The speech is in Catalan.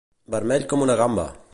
Vermell com una gamba.